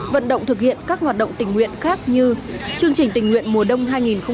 vận động thực hiện các hoạt động tỉnh nguyện khác như chương trình tỉnh nguyện mùa đông hai nghìn hai mươi ba